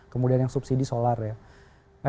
kemudian yang subsidi solar ya